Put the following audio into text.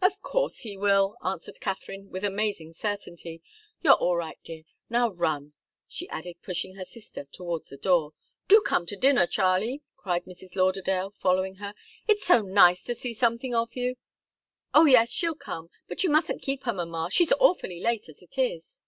"Of course he will!" answered Katharine, with amazing certainty. "You're all right, dear now run!" she added, pushing her sister towards the door. "Do come to dinner, Charlie!" cried Mrs. Lauderdale, following her. "It's so nice to see something of you!" "Oh, yes she'll come but you mustn't keep her, mamma she's awfully late as it is!"